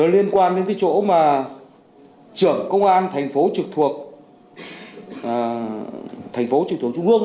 liên quan đến cái chỗ mà trưởng công an thành phố trực thuộc trung ương